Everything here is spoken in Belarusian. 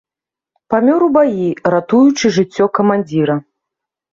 Памёр у баі, ратуючы жыццё камандзіра.